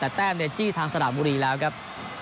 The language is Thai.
แต่แต้มเนี่ยจี้ทางสระบุรีแล้วครับ